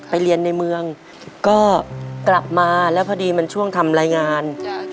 ไปเรียนในเมืองก็กลับมาแล้วพอดีมันช่วงทำรายงาน